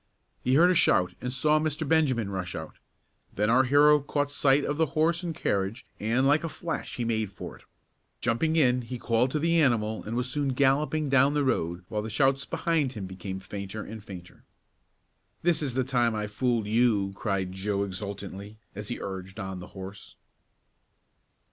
He heard a shout and saw Mr. Benjamin rush out. Then our hero caught sight of the horse and carriage and like a flash he made for it. Jumping in he called to the animal and was soon galloping down the road while the shouts behind him became fainter and fainter. "This is the time I fooled you!" cried Joe exultantly, as he urged on the horse.